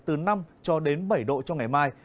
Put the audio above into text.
từ năm cho đến bảy độ trong ngày mai